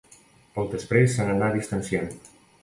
Poc després se n'anà distanciant.